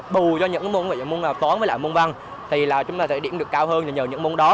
bù cho những môn toán với lại môn văn thì là chúng ta sẽ điểm được cao hơn nhờ những môn đó